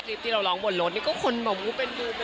คลิปที่เราร้องบนรถนี่ก็คนมาวู้เป็นมุม